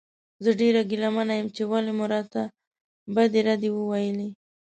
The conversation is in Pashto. زه ډېر ګیله من یم چې ولې مو راته بدې ردې وویلې.